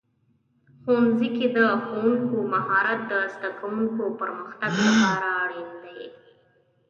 ښوونځي کې د ښوونکو مهارت د زده کوونکو پرمختګ لپاره اړین دی.